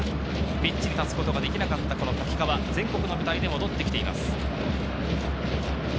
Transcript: ピッチに立つことができなかった瀧川、全国の舞台で戻ってきています。